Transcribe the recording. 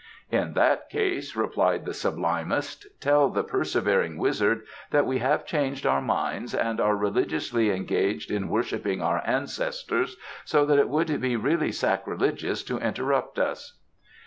"In that case," replied the Sublimest, "tell the persevering wizard that we have changed our minds and are religiously engaged in worshipping our ancestors, so that it would be really sacrilegious to interrupt us."